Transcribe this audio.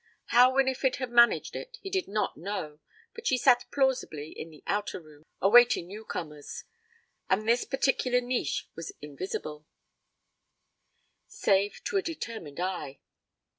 How Winifred had managed it he did not know but she sat plausibly in the outer room, awaiting newcomers, and this particular niche was invisible, save to a determined eye.